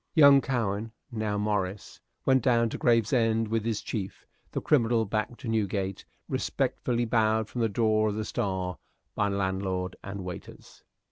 Young Cowen, now Morris, went down to Gravesend with his chief; the criminal back to Newgate, respectfully bowed from the door of the "Star" by landlord and waiters.